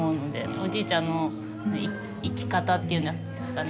おじいちゃんの生き方っていうんですかね。